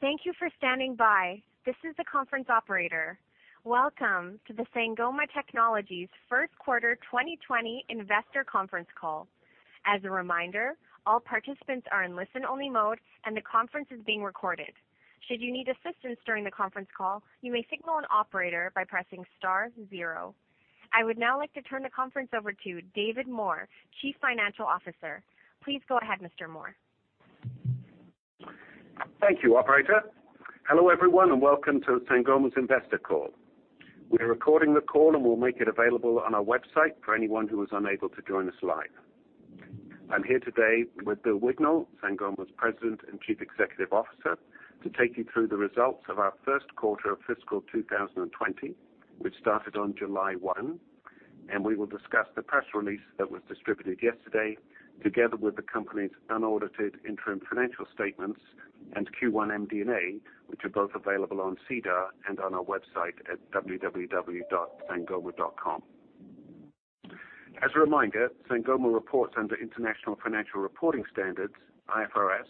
Thank you for standing by. This is the conference operator. Welcome to the Sangoma Technologies first quarter 2020 investor conference call. As a reminder, all participants are in listen-only mode and the conference is being recorded. Should you need assistance during the conference call, you may signal an operator by pressing star zero. I would now like to turn the conference over to David Moore, Chief Financial Officer. Please go ahead, Mr. Moore. Thank you, operator. Hello, everyone, welcome to Sangoma's investor call. We're recording the call, we'll make it available on our website for anyone who was unable to join us live. I'm here today with Bill Wignall, Sangoma's President and Chief Executive Officer, to take you through the results of our first quarter of fiscal 2020, which started on July 1. We will discuss the press release that was distributed yesterday, together with the company's unaudited interim financial statements and Q1 MD&A, which are both available on SEDAR and on our website at www.sangoma.com. As a reminder, Sangoma reports under International Financial Reporting Standards, IFRS,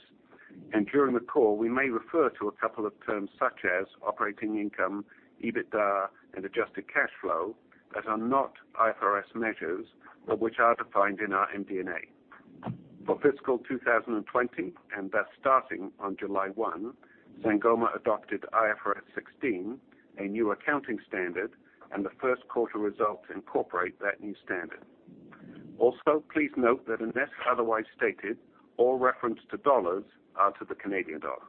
during the call, we may refer to a couple of terms such as operating income, EBITDA, and adjusted cash flow that are not IFRS measures but which are defined in our MD&A. For fiscal 2020, and thus starting on July 1, Sangoma adopted IFRS 16, a new accounting standard, and the first quarter results incorporate that new standard. Also, please note that unless otherwise stated, all reference to dollars are to the Canadian dollar.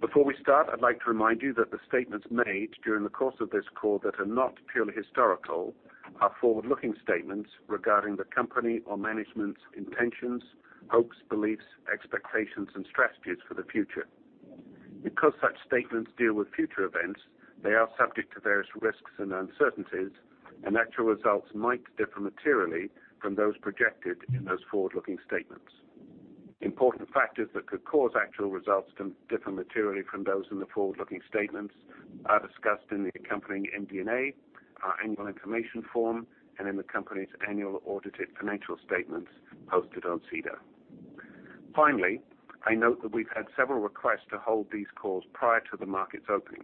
Before we start, I'd like to remind you that the statements made during the course of this call that are not purely historical are forward-looking statements regarding the company or management's intentions, hopes, beliefs, expectations and strategies for the future. Because such statements deal with future events, they are subject to various risks and uncertainties, and actual results might differ materially from those projected in those forward-looking statements. Important factors that could cause actual results to differ materially from those in the forward-looking statements are discussed in the accompanying MD&A, our annual information form, and in the company's annual audited financial statements posted on SEDAR. I note that we've had several requests to hold these calls prior to the markets opening.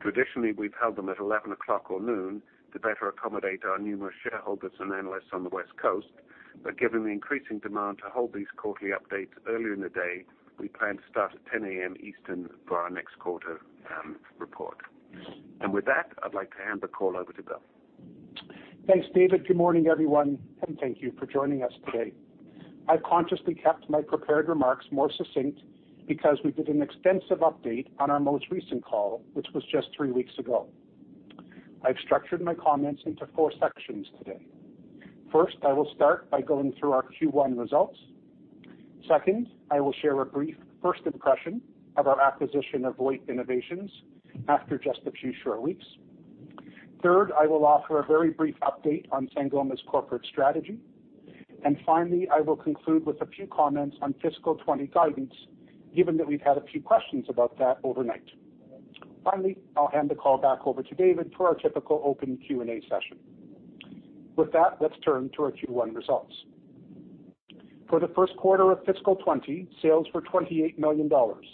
Traditionally, we've held them at 11:00 A.M. or 12:00 P.M. to better accommodate our numerous shareholders and analysts on the West Coast. Given the increasing demand to hold these quarterly updates earlier in the day, we plan to start at 10:00 A.M. Eastern for our next quarter report. With that, I'd like to hand the call over to Bill. Thanks, David. Good morning, everyone, and thank you for joining us today. I've consciously kept my prepared remarks more succinct because we did an extensive update on our most recent call, which was just three weeks ago. I've structured my comments into four sections today. First, I will start by going through our Q1 results. Second, I will share a brief first impression of our acquisition of VoIP Innovations after just a few short weeks. Third, I will offer a very brief update on Sangoma's corporate strategy. Finally, I will conclude with a few comments on FY 2020 guidance, given that we've had a few questions about that overnight. Finally, I'll hand the call back over to David for our typical open Q&A session. With that, let's turn to our Q1 results. For the first quarter of fiscal 2020, sales were 28 million dollars,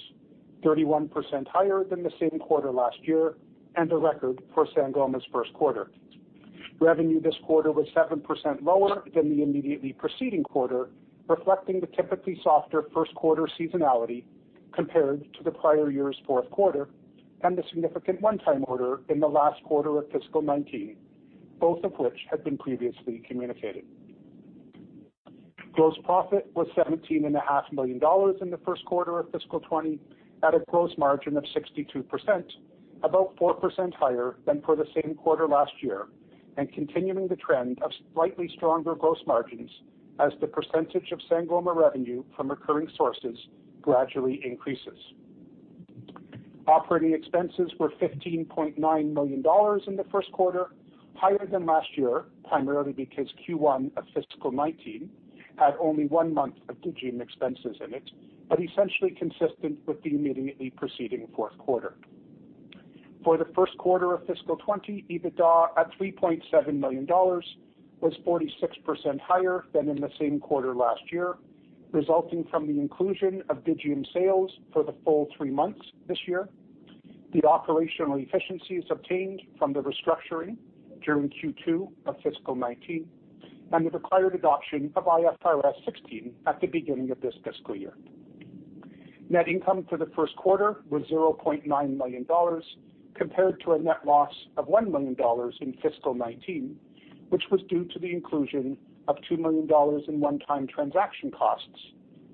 31% higher than the same quarter last year and a record for Sangoma Technologies's first quarter. Revenue this quarter was 7% lower than the immediately preceding quarter, reflecting the typically softer first quarter seasonality compared to the prior year's fourth quarter and a significant one-time order in the last quarter of fiscal 2019, both of which had been previously communicated. Gross profit was 17.5 million dollars in the first quarter of fiscal 2020 at a gross margin of 62%, about 4% higher than for the same quarter last year and continuing the trend of slightly stronger gross margins as the percentage of Sangoma Technologies revenue from recurring sources gradually increases. Operating expenses were 15.9 million dollars in the first quarter, higher than last year, primarily because Q1 of fiscal 2019 had only one month of Digium expenses in it, but essentially consistent with the immediately preceding fourth quarter. For the first quarter of fiscal 2020, EBITDA at 3.7 million dollars was 46% higher than in the same quarter last year, resulting from the inclusion of Digium sales for the full three months this year, the operational efficiencies obtained from the restructuring during Q2 of fiscal 2019, and the required adoption of IFRS 16 at the beginning of this fiscal year. Net income for the first quarter was 0.9 million dollars, compared to a net loss of 1 million dollars in fiscal 2019, which was due to the inclusion of 2 million dollars in one-time transaction costs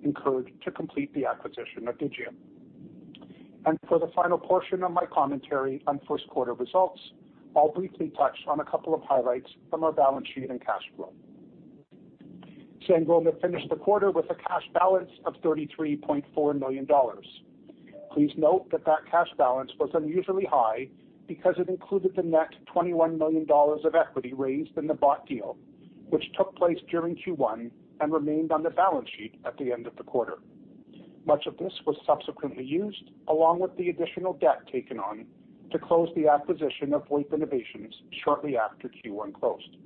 incurred to complete the acquisition of Digium. For the final portion of my commentary on first quarter results, I'll briefly touch on a couple of highlights from our balance sheet and cash flow. Sangoma finished the quarter with a cash balance of 33.4 million dollars. Please note that cash balance was unusually high because it included the net 21 million dollars of equity raised in the bought deal, which took place during Q1 and remained on the balance sheet at the end of the quarter. Much of this was subsequently used, along with the additional debt taken on, to close the acquisition of VoIP Innovations shortly after Q1 closed.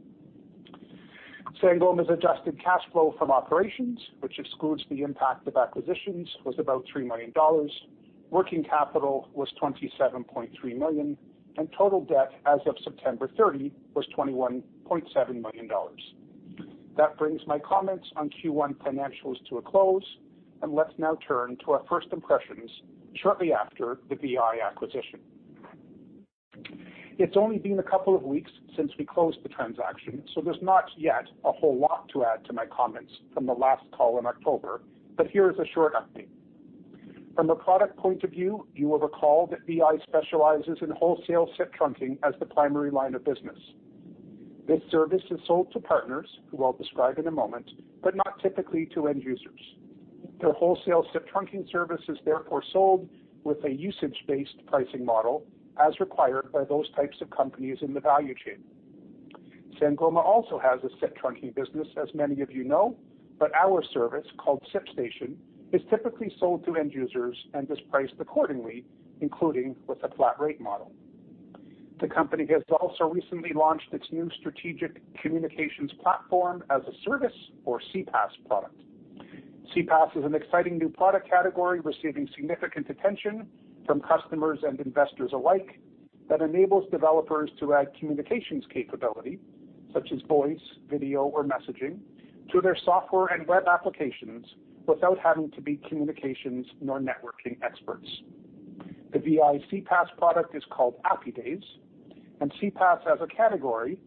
Sangoma's adjusted cash flow from operations, which excludes the impact of acquisitions, was about 3 million dollars. Working capital was 27.3 million, and total debt as of September 30 was 21.7 million dollars. That brings my comments on Q1 financials to a close, let's now turn to our first impressions shortly after the VI acquisition. It's only been a couple of weeks since we closed the transaction, there's not yet a whole lot to add to my comments from the last call in October, here is a short update. From a product point of view, you will recall that VI specializes in wholesale SIP trunking as the primary line of business. This service is sold to partners, who I'll describe in a moment, not typically to end users. Their wholesale SIP trunking service is therefore sold with a usage-based pricing model as required by those types of companies in the value chain. Sangoma also has a SIP trunking business, as many of you know, but our service, called SIPStation, is typically sold to end users and is priced accordingly, including with a flat rate model. The company has also recently launched its new Strategic Communications Platform as a Service or CPaaS product. CPaaS is an exciting new product category receiving significant attention from customers and investors alike that enables developers to add communications capability, such as voice, video, or messaging, to their software and web applications without having to be communications nor networking experts. The VI CPaaS product is called APIdaze, and CPaaS as a category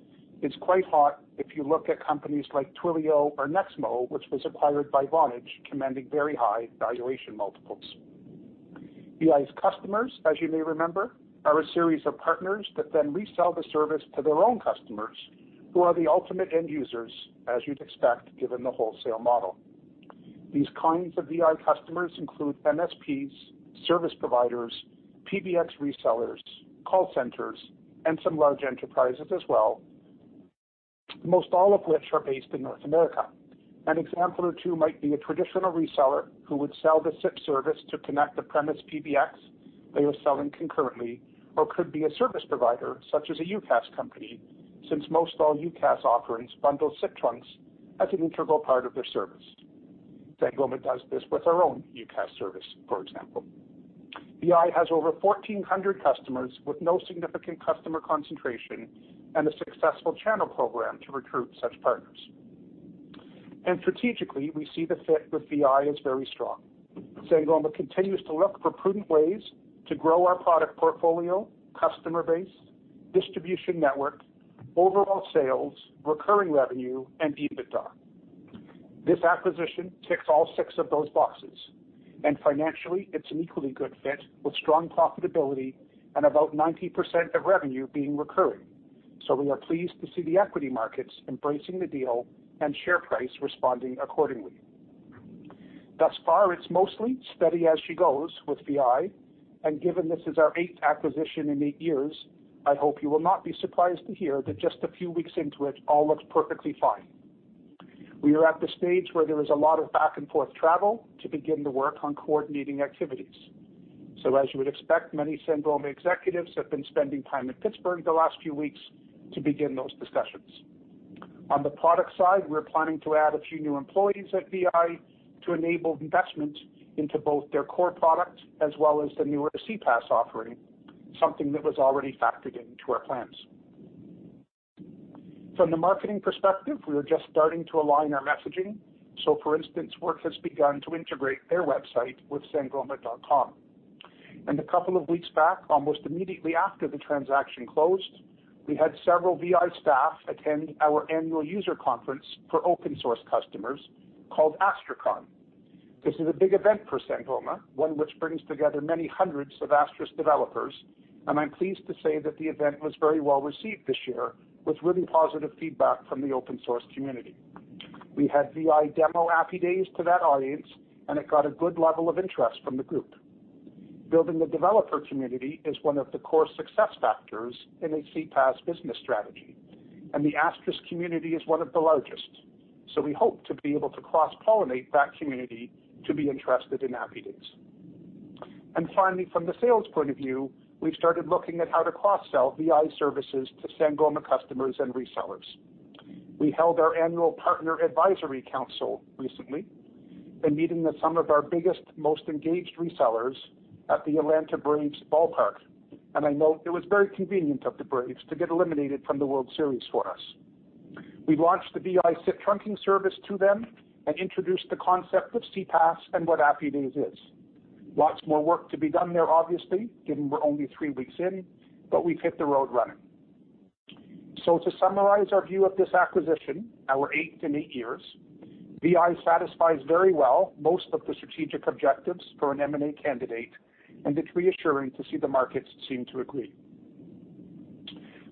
is quite hot if you look at companies like Twilio or Nexmo, which was acquired by Vonage, commanding very high valuation multiples. VI's customers, as you may remember, are a series of partners that then resell the service to their own customers, who are the ultimate end users, as you'd expect, given the wholesale model. These kinds of VI customers include MSPs, service providers, PBX resellers, call centers, and some large enterprises as well, most all of which are based in North America. An example or two might be a traditional reseller who would sell the SIP service to connect the premise PBX they are selling concurrently, or could be a service provider such as a UCaaS company, since most all UCaaS offerings bundle SIP trunks as an integral part of their service. Sangoma does this with our own UCaaS service, for example. VI has over 1,400 customers with no significant customer concentration and a successful channel program to recruit such partners. Strategically, we see the fit with VI is very strong. Sangoma continues to look for prudent ways to grow our product portfolio, customer base, distribution network, overall sales, recurring revenue, and EBITDA. This acquisition ticks all six of those boxes, and financially it's an equally good fit with strong profitability and about 90% of revenue being recurring. We are pleased to see the equity markets embracing the deal and share price responding accordingly. Thus far, it's mostly steady as she goes with VI, and given this is our eighth acquisition in eight years, I hope you will not be surprised to hear that just a few weeks into it, all looks perfectly fine. We are at the stage where there is a lot of back-and-forth travel to begin the work on coordinating activities. As you would expect, many Sangoma executives have been spending time in Pittsburgh the last few weeks to begin those discussions. On the product side, we're planning to add a few new employees at VI to enable investment into both their core product as well as the newer CPaaS offering, something that was already factored into our plans. From the marketing perspective, we are just starting to align our messaging. For instance, work has begun to integrate their website with sangoma.com. A couple of weeks back, almost immediately after the transaction closed, we had several VI staff attend our annual user conference for open-source customers called AstriCon. This is a big event for Sangoma, one which brings together many hundreds of Asterisk developers, and I'm pleased to say that the event was very well-received this year with really positive feedback from the open-source community. We had VI demo APIdaze to that audience. It got a good level of interest from the group. Building the developer community is one of the core success factors in a CPaaS business strategy. The Asterisk community is one of the largest. We hope to be able to cross-pollinate that community to be interested in APIdaze. Finally, from the sales point of view, we've started looking at how to cross-sell VI services to Sangoma customers and resellers. We held our annual Partner Advisory Council recently, a meeting with some of our biggest, most engaged resellers at the Atlanta Braves ballpark. I note it was very convenient of the Braves to get eliminated from the World Series for us. We've launched the VI SIP trunking service to them and introduced the concept of CPaaS and what APIdaze is. Lots more work to be done there, obviously, given we're only three weeks in, but we've hit the road running. To summarize our view of this acquisition, our eighth in eight years, VI satisfies very well most of the strategic objectives for an M&A candidate, and it's reassuring to see the markets seem to agree.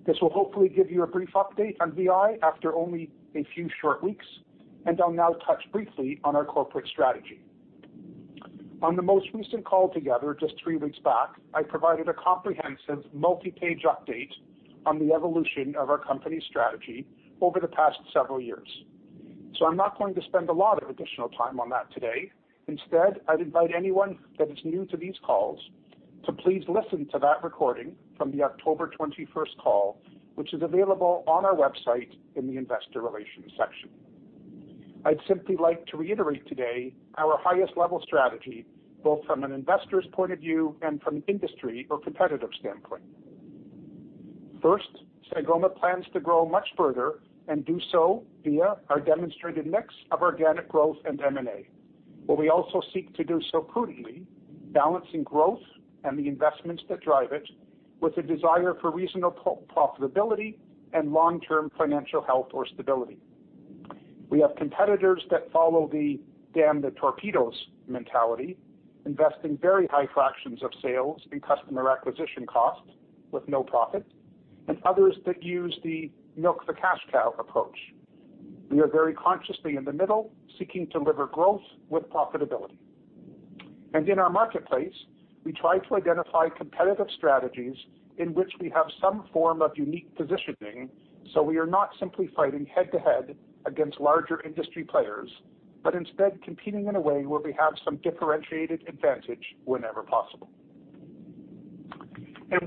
This will hopefully give you a brief update on VI after only a few short weeks, and I'll now touch briefly on our corporate strategy. On the most recent call together, just three weeks back, I provided a comprehensive multi-page update on the evolution of our company strategy over the past several years. I'm not going to spend a lot of additional time on that today. Instead, I'd invite anyone that is new to these calls to please listen to that recording from the October 21st call, which is available on our website in the investor relations section. I'd simply like to reiterate today our highest level strategy, both from an investor's point of view and from industry or competitive standpoint. First, Sangoma plans to grow much further and do so via our demonstrated mix of organic growth and M&A, where we also seek to do so prudently, balancing growth and the investments that drive it with a desire for reasonable profitability and long-term financial health or stability. We have competitors that follow the damn the torpedoes mentality, investing very high fractions of sales in customer acquisition costs with no profit, and others that use the milk the cash cow approach. We are very consciously in the middle, seeking to deliver growth with profitability. In our marketplace, we try to identify competitive strategies in which we have some form of unique positioning, so we are not simply fighting head to head against larger industry players, but instead competing in a way where we have some differentiated advantage whenever possible.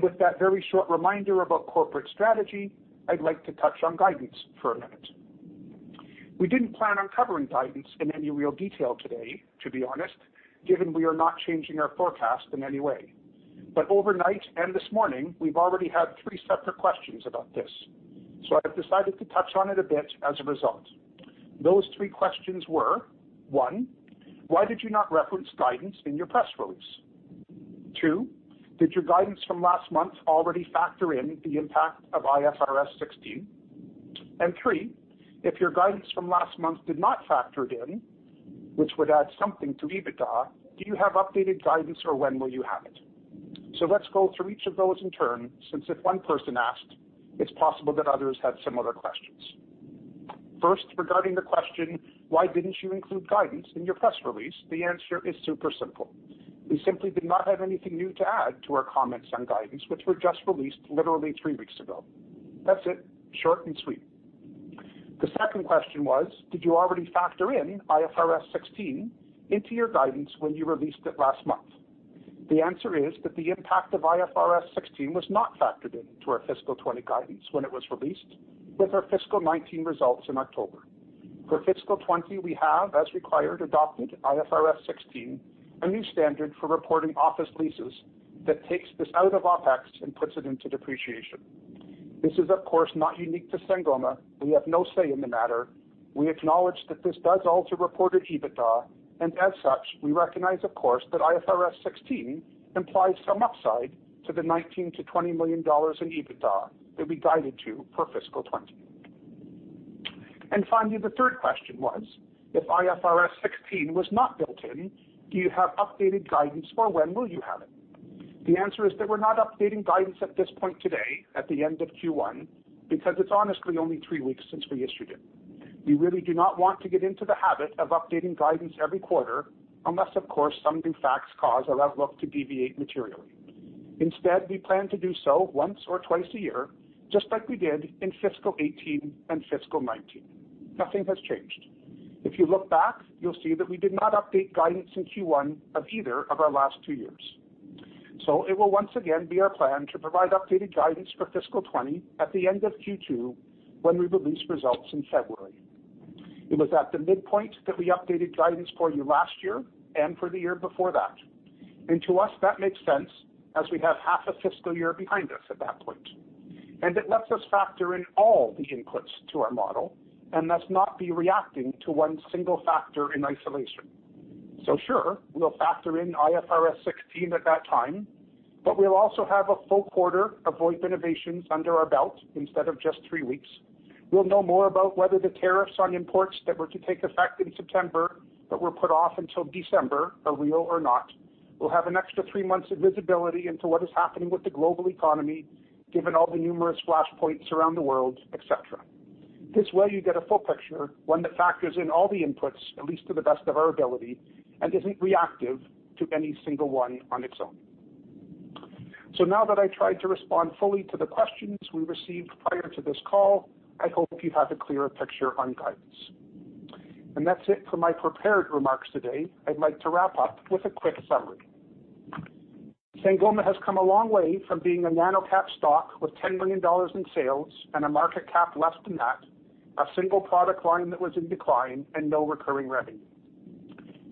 With that very short reminder about corporate strategy, I'd like to touch on guidance for a minute. We didn't plan on covering guidance in any real detail today, to be honest, given we are not changing our forecast in any way. Overnight and this morning, we've already had three separate questions about this. I've decided to touch on it a bit as a result. Those three questions were, one, why did you not reference guidance in your press release? Two, did your guidance from last month already factor in the impact of IFRS 16? Three, if your guidance from last month did not factor it in, which would add something to EBITDA, do you have updated guidance, or when will you have it? Let's go through each of those in turn, since if one person asked, it's possible that others had similar questions. First, regarding the question, why didn't you include guidance in your press release? The answer is super simple. We simply did not have anything new to add to our comments on guidance, which were just released literally three weeks ago. That's it, short and sweet. The second question was, did you already factor in IFRS 16 into your guidance when you released it last month? The answer is that the impact of IFRS 16 was not factored into our fiscal 2020 guidance when it was released with our fiscal 2019 results in October. For fiscal 2020, we have, as required, adopted IFRS 16, a new standard for reporting office leases that takes this out of OpEx and puts it into depreciation. This is, of course, not unique to Sangoma. We have no say in the matter. We acknowledge that this does alter reported EBITDA, and as such, we recognize, of course, that IFRS 16 implies some upside to the 19 million-20 million dollars in EBITDA that we guided to for fiscal 2020. Finally, the third question was, if IFRS 16 was not built in, do you have updated guidance, or when will you have it? The answer is that we're not updating guidance at this point today at the end of Q1, because it's honestly only three weeks since we issued it. We really do not want to get into the habit of updating guidance every quarter, unless, of course, some new facts cause our outlook to deviate materially. Instead, we plan to do so once or twice a year, just like we did in fiscal 2018 and fiscal 2019. Nothing has changed. If you look back, you'll see that we did not update guidance in Q1 of either of our last two years. It will once again be our plan to provide updated guidance for fiscal 2020 at the end of Q2 when we release results in February. It was at the midpoint that we updated guidance for you last year and for the year before that. To us, that makes sense as we have half a fiscal year behind us at that point. It lets us factor in all the inputs to our model and thus not be reacting to one single factor in isolation. Sure, we'll factor in IFRS 16 at that time, but we'll also have a full quarter of VoIP Innovations under our belt instead of just three weeks. We'll know more about whether the tariffs on imports that were to take effect in September but were put off until December are real or not. We'll have an extra three months of visibility into what is happening with the global economy, given all the numerous flashpoints around the world, et cetera. This way, you get a full picture, one that factors in all the inputs, at least to the best of our ability, and isn't reactive to any single one on its own. Now that I tried to respond fully to the questions we received prior to this call, I hope you have a clearer picture on guidance. That's it for my prepared remarks today. I'd like to wrap up with a quick summary. Sangoma has come a long way from being a nano cap stock with 10 million dollars in sales and a market cap less than that, a single product line that was in decline, and no recurring revenue.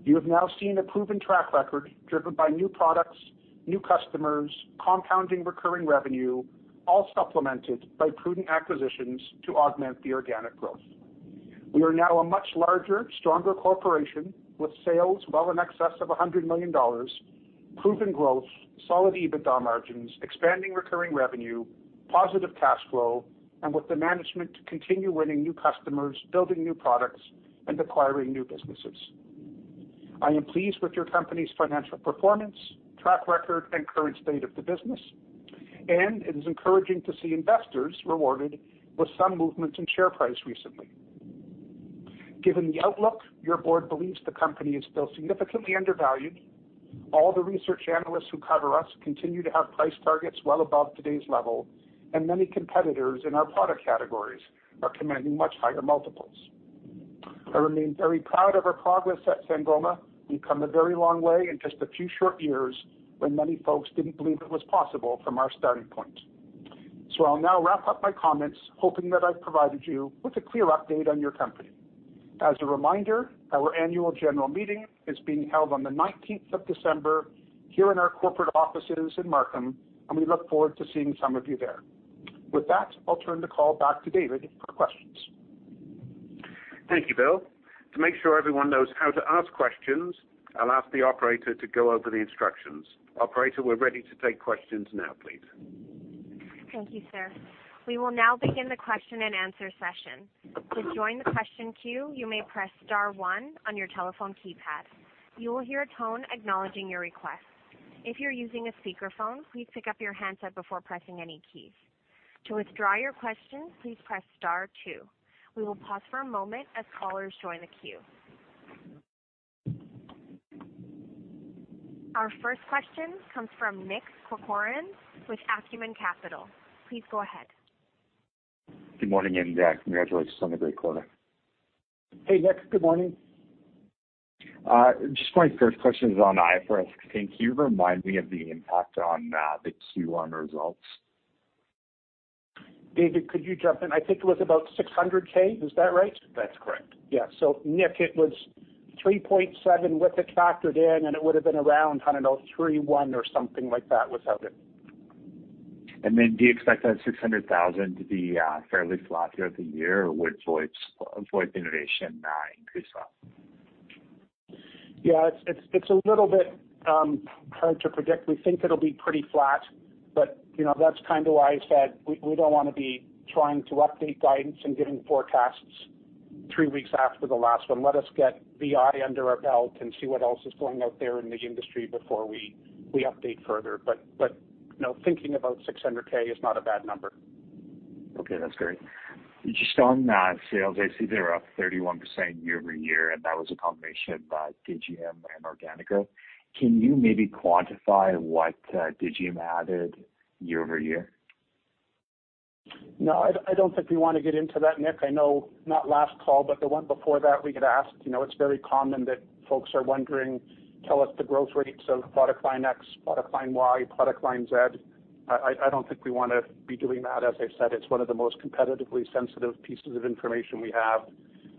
You have now seen a proven track record driven by new products, new customers, compounding recurring revenue, all supplemented by prudent acquisitions to augment the organic growth. We are now a much larger, stronger corporation with sales well in excess of 100 million dollars, proven growth, solid EBITDA margins, expanding recurring revenue, positive cash flow, and with the management to continue winning new customers, building new products, and acquiring new businesses. I am pleased with your company's financial performance, track record, and current state of the business. It is encouraging to see investors rewarded with some movement in share price recently. Given the outlook, your board believes the company is still significantly undervalued. All the research analysts who cover us continue to have price targets well above today's level, and many competitors in our product categories are commanding much higher multiples. I remain very proud of our progress at Sangoma. We've come a very long way in just a few short years when many folks didn't believe it was possible from our starting point. I'll now wrap up my comments, hoping that I've provided you with a clear update on your company. As a reminder, our annual general meeting is being held on the 19th of December here in our corporate offices in Markham, and we look forward to seeing some of you there. With that, I'll turn the call back to David for questions. Thank you, Bill. To make sure everyone knows how to ask questions, I'll ask the operator to go over the instructions. Operator, we're ready to take questions now, please. Thank you, sir. We will now begin the question and answer session. To join the question queue, you may press star one on your telephone keypad. You will hear a tone acknowledging your request. If you're using a speakerphone, please pick up your handset before pressing any keys. To withdraw your question, please press star two. We will pause for a moment as callers join the queue. Our first question comes from Nick Corcoran with Acumen Capital. Please go ahead. Good morning, and congratulations on a great quarter. Hey, Nick. Good morning. Just my first question is on IFRS. Can you remind me of the impact on the Q1 results? David, could you jump in? I think it was about 600 thousand, is that right? That's correct. Yeah. Nick, it was 3.7 with it factored in, and it would've been around, I don't know, 3.1 or something like that without it. Do you expect that 600,000 to be fairly flat throughout the year, or would VoIP Innovations increase that? Yeah, it's a little bit hard to predict. We think it'll be pretty flat, but that's why I said we don't want to be trying to update guidance and giving forecasts three weeks after the last one. Let us get VI under our belt and see what else is going out there in the industry before we update further. No, thinking about 600K is not a bad number. Okay, that's great. Just on sales, I see they're up 31% year-over-year, that was a combination of Digium and organic. Can you maybe quantify what Digium added year-over-year? No, I don't think we want to get into that, Nick. I know, not last call, but the one before that we get asked. It's very common that folks are wondering, tell us the growth rates of product line X, product line Y, product line Z. I don't think we want to be doing that. As I said, it's one of the most competitively sensitive pieces of information we have.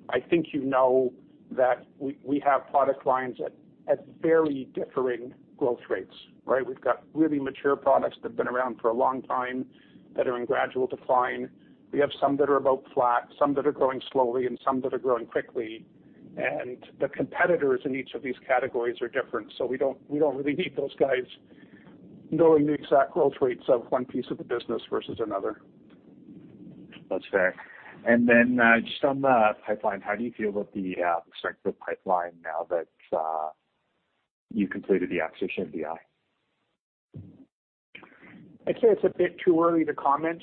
I think you know that we have product lines at very differing growth rates, right? We've got really mature products that have been around for a long time that are in gradual decline. We have some that are about flat, some that are growing slowly, and some that are growing quickly. The competitors in each of these categories are different. We don't really need those guys knowing the exact growth rates of one piece of the business versus another. That's fair. Just on the pipeline, how do you feel about the strength of pipeline now that you completed the acquisition of VI? I'd say it's a bit too early to comment.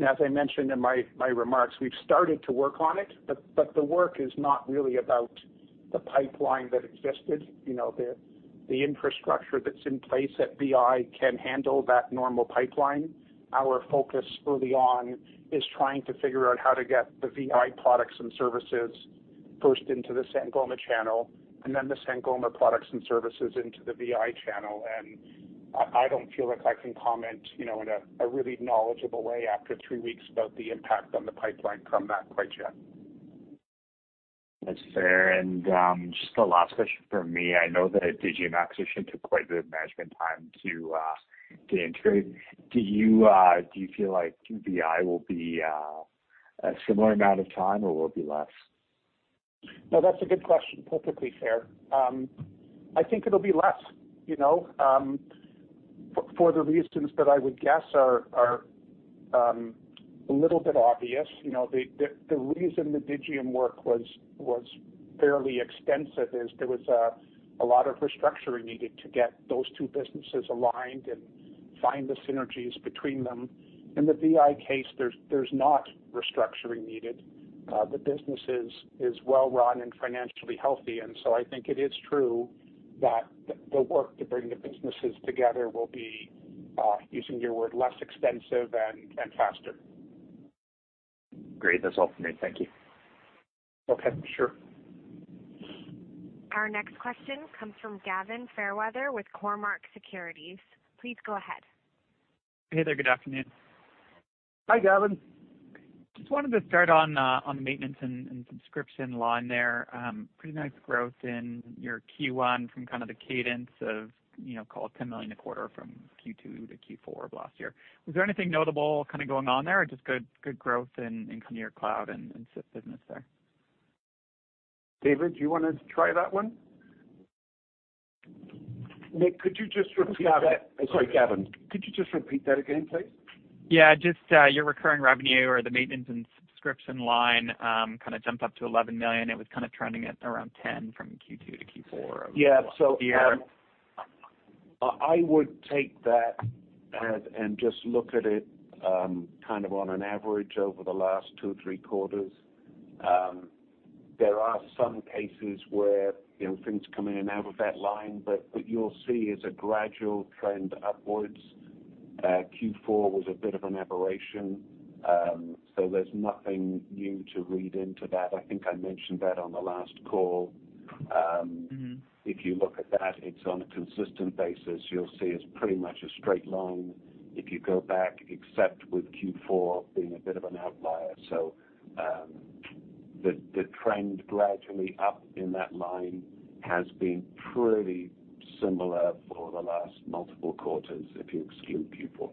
As I mentioned in my remarks, we've started to work on it, but the work is not really about the pipeline that existed. The infrastructure that's in place at VI can handle that normal pipeline. Our focus early on is trying to figure out how to get the VI products and services first into the Sangoma channel, and then the Sangoma products and services into the VI channel. I don't feel like I can comment in a really knowledgeable way after three weeks about the impact on the pipeline from that quite yet. That's fair. Just the last question from me, I know the Digium acquisition took quite a bit of management time to integrate. Do you feel like VI will be a similar amount of time or will be less? No, that's a good question. Perfectly fair. I think it'll be less, for the reasons that I would guess are a little bit obvious. The reason the Digium work was fairly extensive is there was a lot of restructuring needed to get those two businesses aligned and find the synergies between them. In the VI case, there's not restructuring needed. The business is well-run and financially healthy. I think it is true that the work to bring the businesses together will be, using your word, less extensive and faster. Great. That's all from me. Thank you. Okay. Sure. Our next question comes from Gavin Fairweather with Cormark Securities. Please go ahead. Hey there. Good afternoon. Hi, Gavin. Just wanted to start on the maintenance and subscription line there. Pretty nice growth in your Q1 from kind of the cadence of call it 10 million a quarter from Q2 to Q4 of last year. Was there anything notable kind of going on there, or just good growth in kind of your cloud and SIP business there? David, do you want to try that one? Nick, could you just repeat that? Gavin. Sorry, Gavin. Could you just repeat that again, please? Yeah, just your recurring revenue or the maintenance and subscription line kind of jumped up to 11 million. It was kind of trending at around 10 million from Q2 to Q4 of last year. I would take that and just look at it on an average over the last two, three quarters. There are some cases where things come in and out of that line, but what you'll see is a gradual trend upwards. Q4 was a bit of an aberration. There's nothing new to read into that. I think I mentioned that on the last call. If you look at that, it's on a consistent basis. You'll see it's pretty much a straight line if you go back, except with Q4 being a bit of an outlier. The trend gradually up in that line has been pretty similar for the last multiple quarters, if you exclude Q4.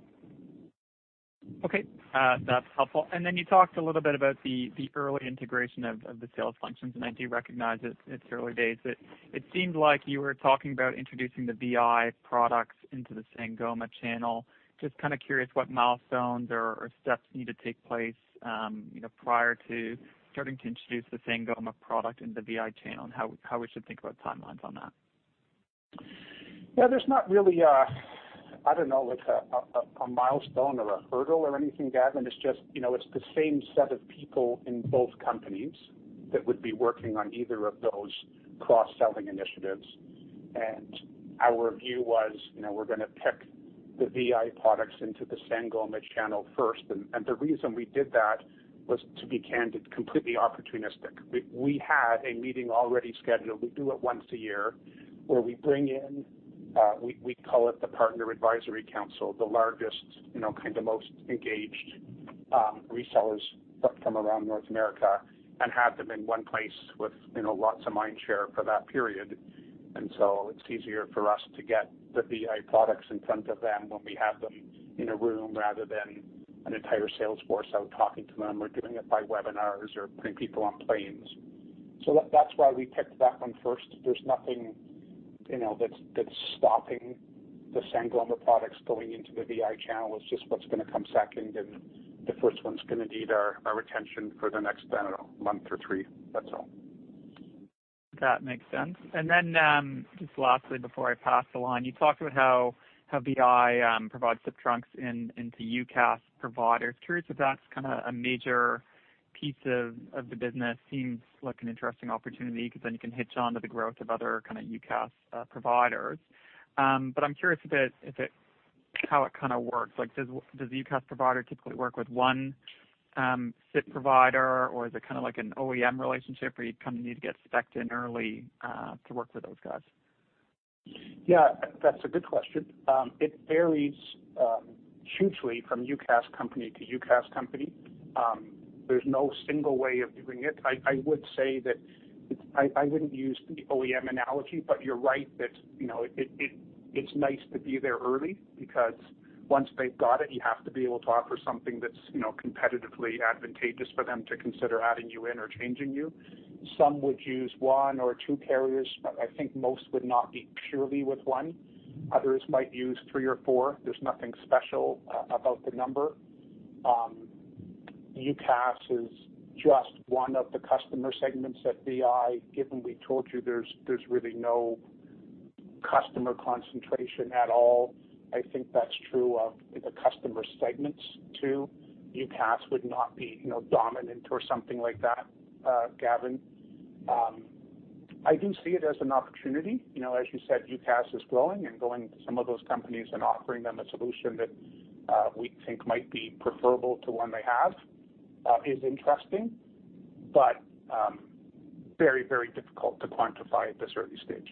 Okay. That's helpful. You talked a little bit about the early integration of the sales functions, and I do recognize it's early days, but it seemed like you were talking about introducing the VI products into the Sangoma channel. Just curious what milestones or steps need to take place prior to starting to introduce the Sangoma product into the VI channel, and how we should think about timelines on that. Yeah, there's not really a, I don't know, a milestone or a hurdle or anything, Gavin. It's the same set of people in both companies that would be working on either of those cross-selling initiatives. Our view was we're going to pick the VI products into the Sangoma channel first. The reason we did that was, to be candid, completely opportunistic. We had a meeting already scheduled. We do it once a year, where we bring in, we call it the Partner Advisory Council, the largest, kind of most engaged resellers that come around North America and have them in one place with lots of mind share for that period. It's easier for us to get the VI products in front of them when we have them in a room rather than an entire sales force out talking to them or doing it by webinars or putting people on planes. That's why we picked that one first. There's nothing that's stopping the Sangoma products going into the VI channel. It's just what's going to come second, and the first one's going to need our attention for the next, I don't know, month or three. That's all. That makes sense. Just lastly before I pass along, you talked about how VI provides SIP trunks into UCaaS providers. Curious if that's a major piece of the business? Seems like an interesting opportunity, because then you can hitch onto the growth of other kind of UCaaS providers. I'm curious how it works? Does the UCaaS provider typically work with one SIP provider, or is it like an OEM relationship where you kind of need to get specced in early to work with those guys? Yeah, that's a good question. It varies hugely from UCaaS company to UCaaS company. There's no single way of doing it. I would say that I wouldn't use the OEM analogy, but you're right. It's nice to be there early, because once they've got it, you have to be able to offer something that's competitively advantageous for them to consider adding you in or changing you. Some would use one or two carriers, but I think most would not be purely with one. Others might use three or four. There's nothing special about the number. UCaaS is just one of the customer segments at VI. Given we told you there's really no customer concentration at all, I think that's true of the customer segments, too. UCaaS would not be dominant or something like that, Gavin. I do see it as an opportunity. As you said, UCaaS is growing, and going to some of those companies and offering them a solution that we think might be preferable to one they have is interesting, but very difficult to quantify at this early stage.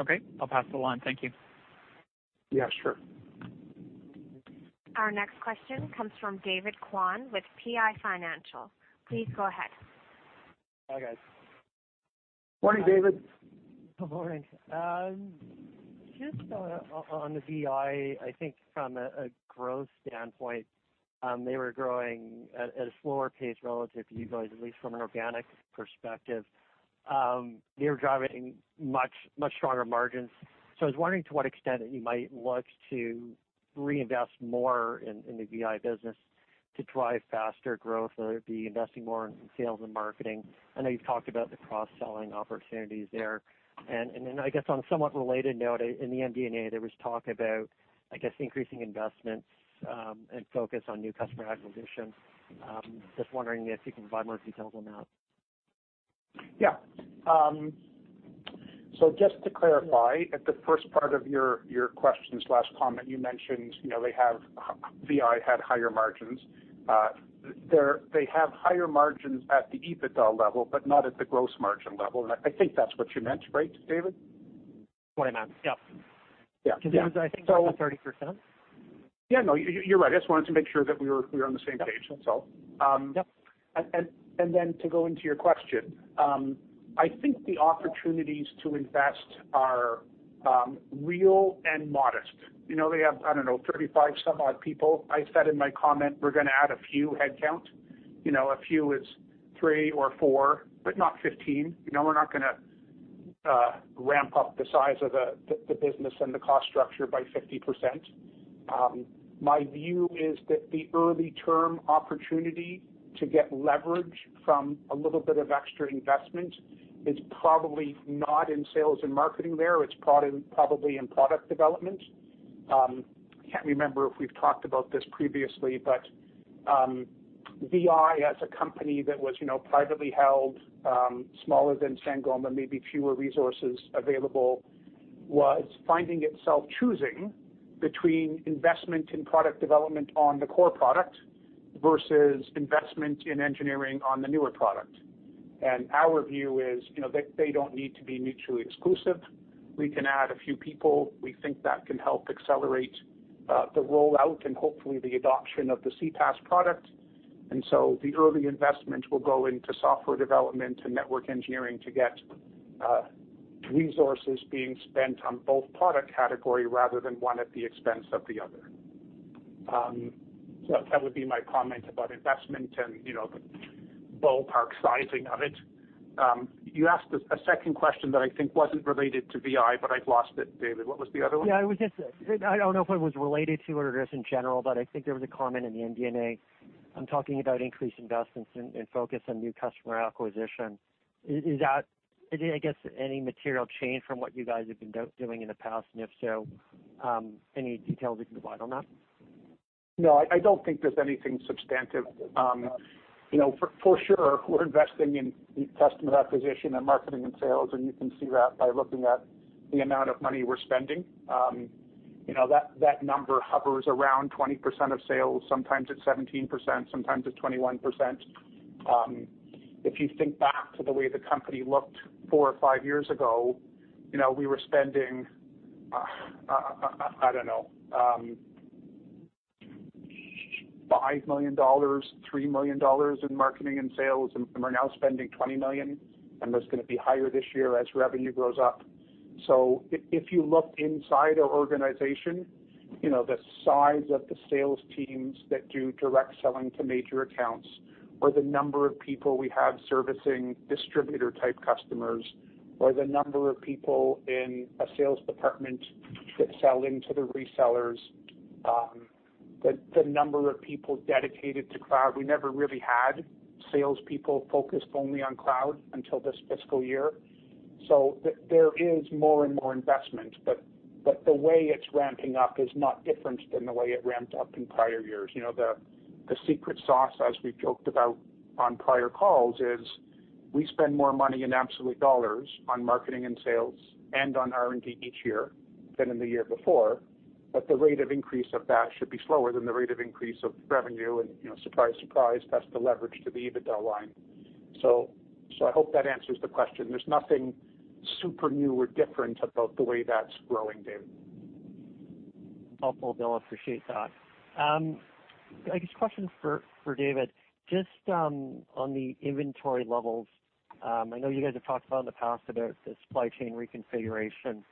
Okay. I'll pass along. Thank you. Yeah, sure. Our next question comes from David Kwan with PI Financial. Please go ahead. Hi, guys. Morning, David. Morning. Just on the VI, I think from a growth standpoint, they were growing at a slower pace relative to you guys, at least from an organic perspective. They were driving much stronger margins. I was wondering to what extent you might look to reinvest more in the VI business to drive faster growth or be investing more in sales and marketing. I know you've talked about the cross-selling opportunities there. I guess on a somewhat related note, in the MD&A, there was talk about, I guess, increasing investments and focus on new customer acquisition. Just wondering if you can provide more details on that. Yeah. Just to clarify, at the first part of your question/comment, you mentioned VI had higher margins. They have higher margins at the EBITDA level, not at the gross margin level. I think that's what you meant, right, David? That's what I meant, yep. Yeah. Because it was, I think, over 30%. Yeah, no, you're right. I just wanted to make sure that we were on the same page, that's all. Yep. To go into your question, I think the opportunities to invest are real and modest. They have, I don't know, 35 some odd people. I said in my comment we're going to add a few headcount. A few is three or four, but not 15. We're not going to ramp up the size of the business and the cost structure by 50%. My view is that the early-term opportunity to get leverage from a little bit of extra investment is probably not in sales and marketing there. It's probably in product development. I can't remember if we've talked about this previously, VI as a company that was privately held, smaller than Sangoma, maybe fewer resources available, was finding itself choosing between investment in product development on the core product versus investment in engineering on the newer product. Our view is, they don't need to be mutually exclusive. We can add a few people. We think that can help accelerate the rollout and hopefully the adoption of the CPaaS product. The early investment will go into software development and network engineering to get resources being spent on both product category rather than one at the expense of the other. That would be my comment about investment and the ballpark sizing of it. You asked a second question that I think wasn't related to VI, but I've lost it, David. What was the other one? Yeah, I don't know if it was related to it or just in general, but I think there was a comment in the MD&A talking about increased investments and focus on new customer acquisition. Is that, I guess, any material change from what you guys have been doing in the past? If so, any details you can provide on that? No, I don't think there's anything substantive. For sure, we're investing in customer acquisition and marketing and sales, and you can see that by looking at the amount of money we're spending. That number hovers around 20% of sales, sometimes it's 17%, sometimes it's 21%. If you think back to the way the company looked four or five years ago, we were spending, I don't know, 5 million dollars, 3 million dollars in marketing and sales, and we're now spending 20 million, and that's going to be higher this year as revenue grows up. If you look inside our organization, the size of the sales teams that do direct selling to major accounts or the number of people we have servicing distributor-type customers, or the number of people in a sales department that sell into the resellers, the number of people dedicated to cloud, we never really had salespeople focused only on cloud until this fiscal year. There is more and more investment, but the way it's ramping up is not different than the way it ramped up in prior years. The secret sauce, as we've joked about on prior calls, is we spend more money in absolute dollars on marketing and sales and on R&D each year than in the year before, but the rate of increase of that should be slower than the rate of increase of revenue. Surprise, surprise, that's the leverage to the EBITDA line. I hope that answers the question. There's nothing super new or different about the way that's growing, David. Helpful. No, I appreciate that. I guess a question for David, just on the inventory levels. I know you guys have talked about in the past about the supply chain reconfiguration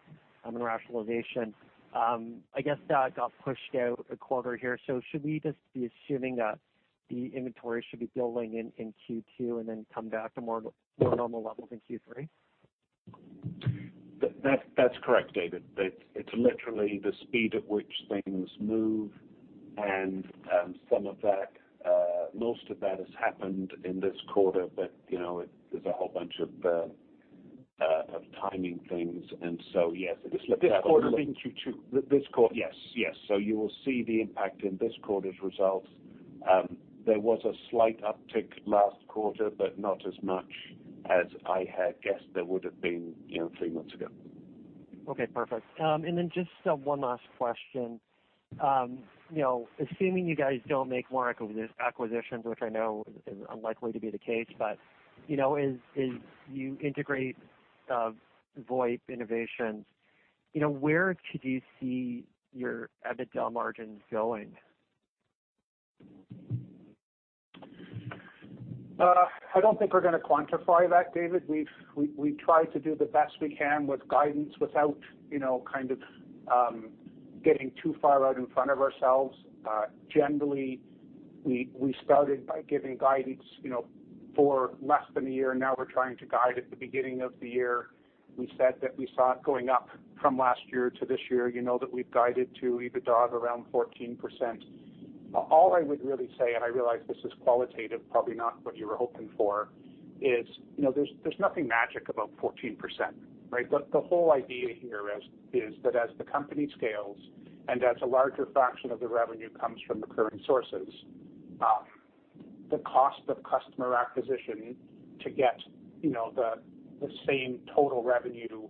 and rationalization. I guess that got pushed out a quarter here. Should we just be assuming that the inventory should be building in Q2 and then come back to more normal levels in Q3? That's correct, David. It's literally the speed at which things move and most of that has happened in this quarter. There's a whole bunch of timing things. Yes. This quarter being Q2? Yes. You will see the impact in this quarter's results. There was a slight uptick last quarter, but not as much as I had guessed there would've been three months ago. Okay, perfect. Just one last question. Assuming you guys don't make more acquisitions, which I know is unlikely to be the case, but as you integrate VoIP Innovations, where could you see your EBITDA margins going? I don't think we're going to quantify that, David. We try to do the best we can with guidance without kind of getting too far out in front of ourselves. Generally, we started by giving guidance for less than a year, now we're trying to guide at the beginning of the year. We said that we saw it going up from last year to this year. You know that we've guided to EBITDA of around 14%. All I would really say, I realize this is qualitative, probably not what you were hoping for, is there's nothing magic about 14%, right? The whole idea here is that as the company scales and as a larger fraction of the revenue comes from the current sources, the cost of customer acquisition to get the same total revenue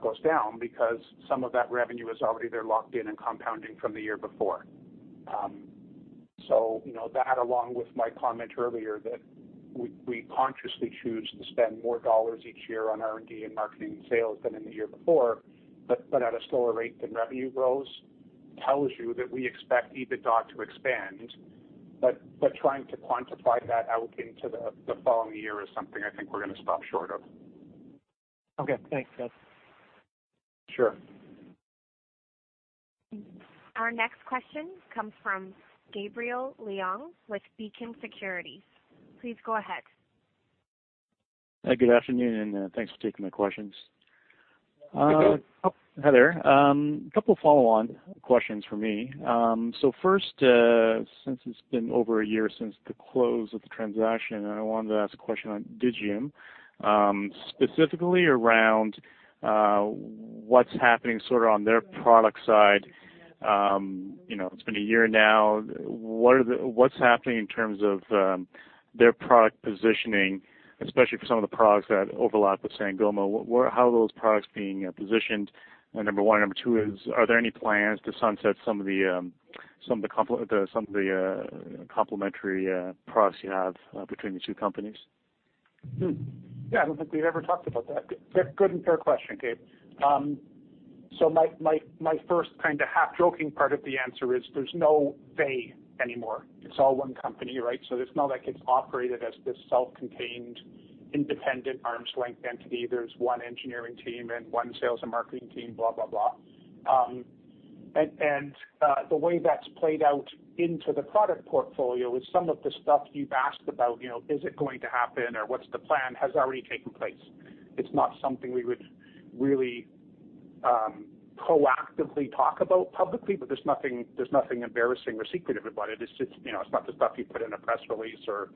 goes down because some of that revenue is already there locked in and compounding from the year before. That along with my comment earlier that we consciously choose to spend more dollars each year on R&D and marketing and sales than in the year before, but at a slower rate than revenue growth, tells you that we expect EBITDA to expand. Trying to quantify that out into the following year is something I think we're going to stop short of. Okay. Thanks, guys. Sure. Our next question comes from Gabriel Leung with Beacon Securities. Please go ahead. Good afternoon. Thanks for taking my questions. Okay. Hi there. Couple follow-on questions from me. First, since it's been over a year since the close of the transaction, I wanted to ask a question on Digium, specifically around what's happening sort of on their product side. It's been a year now. What's happening in terms of their product positioning, especially for some of the products that overlap with Sangoma? How are those products being positioned? Number one. Number two is, are there any plans to sunset some of the complementary products you have between the two companies? Yeah, I don't think we've ever talked about that. Good and fair question, Gabriel. My first kind of half-joking part of the answer is there's no they anymore. It's all one company, right? There's no, like, it's operated as this self-contained independent arm's-length entity. There's one engineering team and one sales and marketing team, blah, blah. The way that's played out into the product portfolio is some of the stuff you've asked about, is it going to happen or what's the plan, has already taken place. It's not something we would really proactively talk about publicly, but there's nothing embarrassing or secretive about it. It's not the stuff you put in a press release, or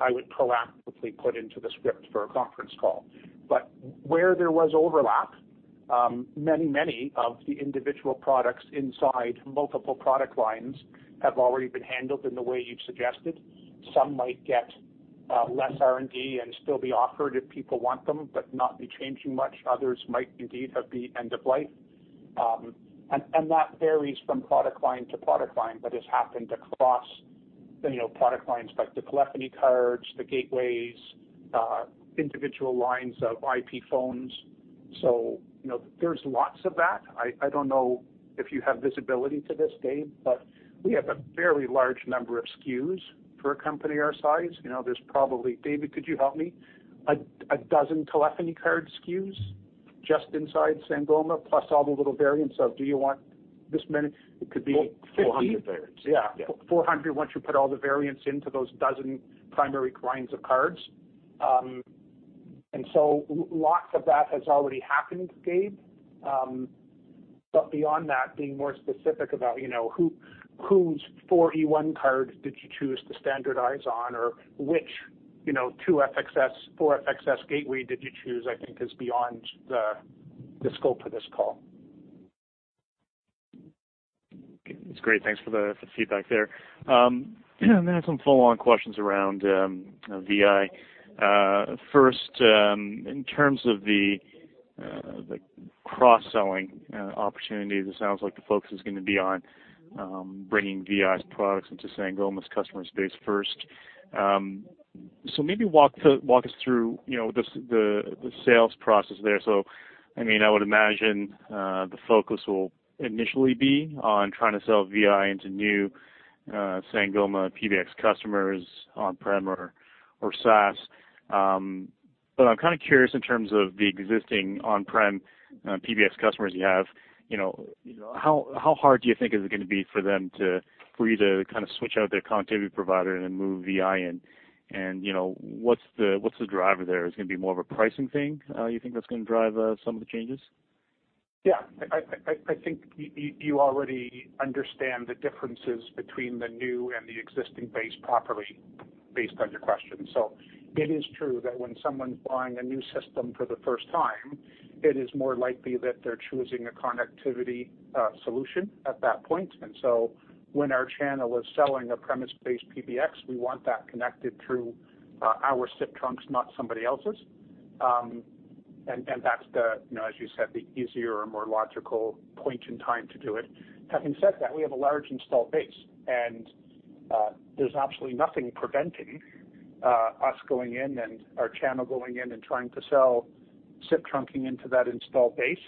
I would proactively put into the script for a conference call. Where there was overlap, many of the individual products inside multiple product lines have already been handled in the way you've suggested. Some might get less R&D and still be offered if people want them, but not be changing much. Others might indeed have the end of life. That varies from product line to product line, but it's happened across product lines like the telephony cards, the gateways, individual lines of IP phones. There's lots of that. I don't know if you have visibility to this, Gabriel, but we have a very large number of SKUs for a company our size. There's probably, David, could you help me? 12 telephony card SKUs just inside Sangoma, plus all the little variants of, do you want this many? It could be 50. 400 variants. Yeah. Yeah. 400 once you put all the variants into those dozen primary lines of cards. Lots of that has already happened, Gabe. But beyond that, being more specific about whose four E1 card did you choose to standardize on, or which 2FXS, 4FXS gateway did you choose, I think is beyond the scope of this call. Okay. That's great. Thanks for the feedback there. Then some follow-on questions around VI. First, in terms of the cross-selling opportunity, it sounds like the focus is going to be on bringing VI's products into Sangoma's customer space first. Maybe walk us through the sales process there. I would imagine the focus will initially be on trying to sell VI into new Sangoma PBX customers on-prem or SaaS. I'm kind of curious in terms of the existing on-prem PBX customers you have, how hard do you think is it going to be for you to kind of switch out their connectivity provider and then move VI in, and what's the driver there? Is it going to be more of a pricing thing you think that's going to drive some of the changes? I think you already understand the differences between the new and the existing base properly based on your question. It is true that when someone's buying a new system for the first time, it is more likely that they're choosing a connectivity solution at that point. When our channel is selling a premise-based PBX, we want that connected through our SIP trunks, not somebody else's. That's the, as you said, the easier or more logical point in time to do it. Having said that, we have a large install base, and there's absolutely nothing preventing us going in and our channel going in and trying to sell SIP trunking into that installed base.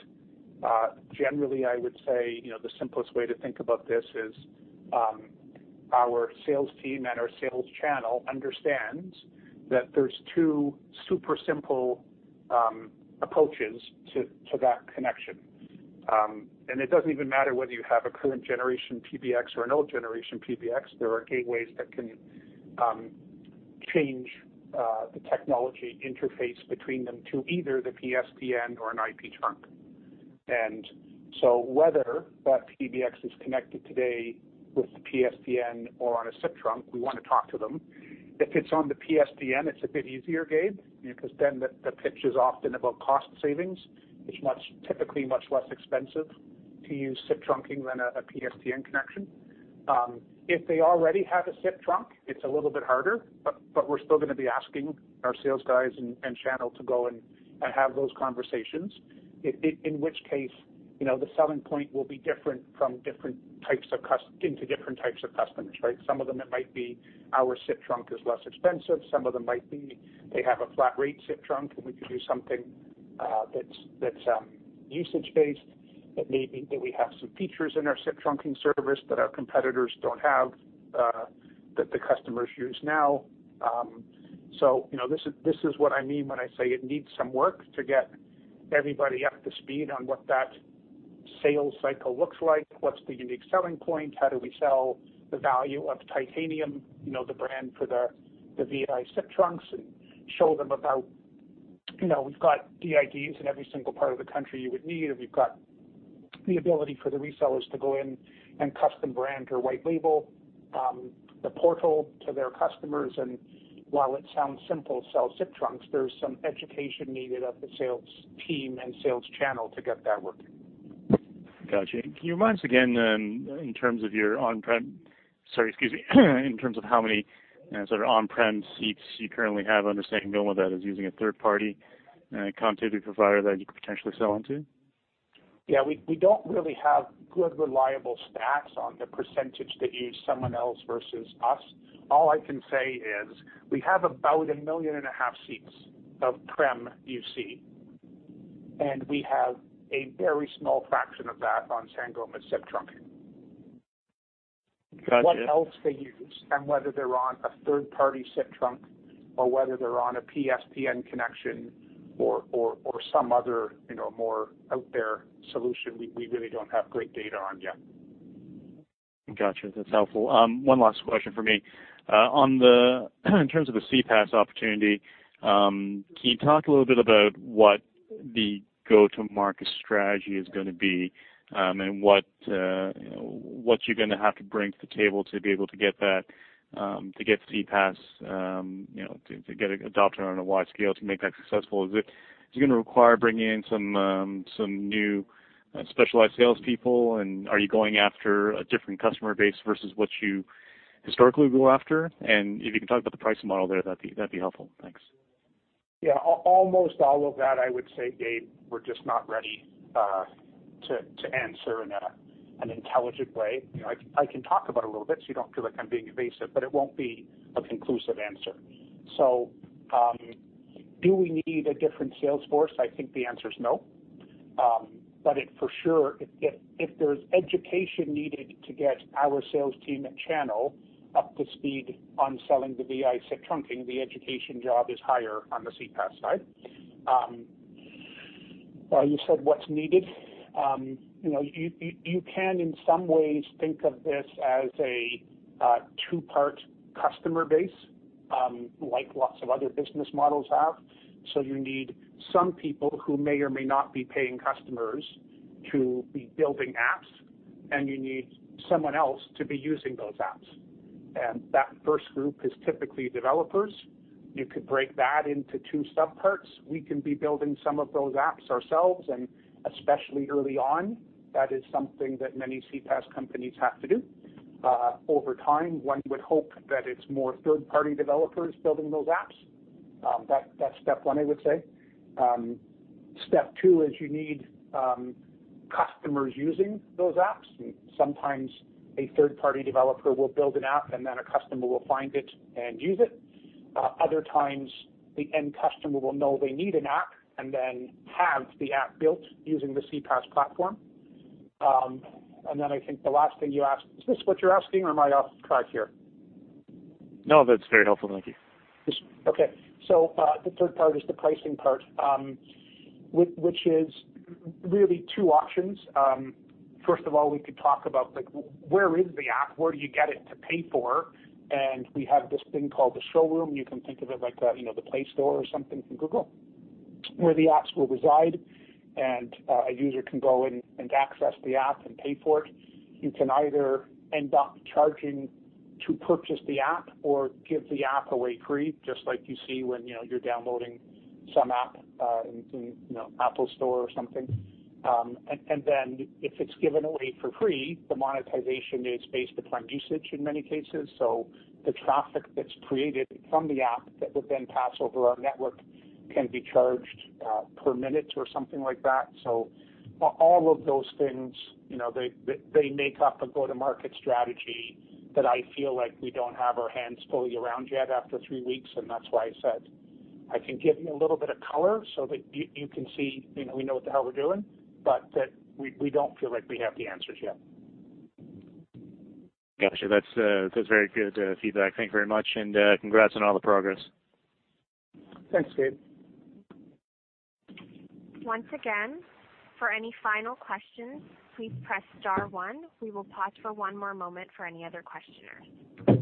Generally, I would say, the simplest way to think about this is, our sales team and our sales channel understands that there's two super simple approaches to that connection. It doesn't even matter whether you have a current generation PBX or an old generation PBX, there are gateways that can change the technology interface between them to either the PSTN or an IP trunk. Whether that PBX is connected today with the PSTN or on a SIP trunk, we want to talk to them. If it's on the PSTN, it's a bit easier, Gabe, because then the pitch is often about cost savings. It's typically much less expensive to use SIP trunking than a PSTN connection. If they already have a SIP trunk, it's a little bit harder, but we're still going to be asking our sales guys and channel to go and have those conversations. In which case, the selling point will be different into different types of customers, right? Some of them, it might be our SIP trunk is less expensive. Some of them might be they have a flat-rate SIP trunk, and we could do something that's usage-based. It may be that we have some features in our SIP trunking service that our competitors don't have that the customers use now. This is what I mean when I say it needs some work to get everybody up to speed on what that sales cycle looks like, what's the unique selling point, how do we sell the value of Titanium, the brand for the VI SIP trunks and show them about, we've got DIDs in every single part of the country you would need, and we've got the ability for the resellers to go in and custom brand or white label the portal to their customers. While it sounds simple to sell SIP trunks, there's some education needed of the sales team and sales channel to get that working. Got you. Can you remind us again, in terms of how many sort of on-prem seats you currently have? Understanding Bill that is using a third party continuity provider that you could potentially sell into? Yeah, we don't really have good, reliable stats on the percentage that use someone else versus us. All I can say is we have about a million and a half seats of prem UC, and we have a very small fraction of that on Sangoma SIP trunk. Got you. What else they use and whether they're on a third-party SIP trunk or whether they're on a PSTN connection or some other more out-there solution, we really don't have great data on yet. Got you. That's helpful. One last question from me. In terms of the CPaaS opportunity, can you talk a little bit about what the go-to-market strategy is going to be, and what you're going to have to bring to the table to be able to get CPaaS adopted on a wide scale to make that successful? Is it going to require bringing in some new specialized salespeople, and are you going after a different customer base versus what you historically go after? If you can talk about the pricing model there, that'd be helpful. Thanks. Yeah. Almost all of that I would say, Gabe, we're just not ready to answer in an intelligent way. I can talk about it a little bit so you don't feel like I'm being evasive, but it won't be a conclusive answer. Do we need a different sales force? I think the answer is no. For sure if there's education needed to get our sales team and channel up to speed on selling the VI SIP trunking, the education job is higher on the CPaaS side. You said what's needed. You can, in some ways, think of this as a two-part customer base, like lots of other business models have. You need some people who may or may not be paying customers to be building apps, and you need someone else to be using those apps. That first group is typically developers. You could break that into two sub-parts. We can be building some of those apps ourselves, especially early on, that is something that many CPaaS companies have to do. Over time, one would hope that it's more third-party developers building those apps. That's step one, I would say. Step two is you need customers using those apps. Sometimes a third-party developer will build an app, then a customer will find it and use it. Other times, the end customer will know they need an app then have the app built using the CPaaS platform. Then I think the last thing you asked, is this what you're asking, or am I off track here? No, that's very helpful. Thank you. The third part is the pricing part, which is really two options. First of all, we could talk about where is the app, where do you get it to pay for? We have this thing called the showroom. You can think of it like the Play Store or something from Google, where the apps will reside and a user can go in and access the app and pay for it. You can either end up charging to purchase the app or give the app away free, just like you see when you're downloading some app in App Store or something. If it's given away for free, the monetization is based upon usage in many cases. The traffic that's created from the app that would then pass over our network can be charged per minute or something like that. All of those things, they make up a go-to-market strategy that I feel like we don't have our hands fully around yet after three weeks, and that's why I said I can give you a little bit of color so that you can see we know what the hell we're doing, but that we don't feel like we have the answers yet. Got you. That's very good feedback. Thank you very much. Congrats on all the progress. Thanks, Gabe. Once again, for any final questions, please press star one. We will pause for one more moment for any other questioners.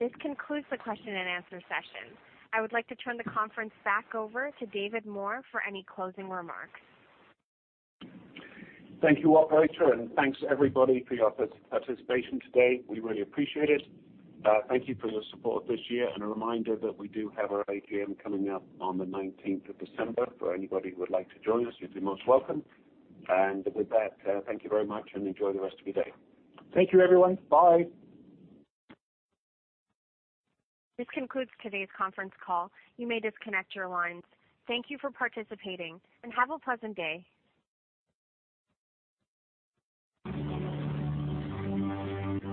This concludes the question and answer session. I would like to turn the conference back over to David Moore for any closing remarks. Thank you, operator. Thanks everybody for your participation today. We really appreciate it. Thank you for your support this year. A reminder that we do have our AGM coming up on the 19th of December. For anybody who would like to join us, you'd be most welcome. With that, thank you very much and enjoy the rest of your day. Thank you everyone. Bye. This concludes today's conference call. You may disconnect your lines. Thank you for participating, and have a pleasant day.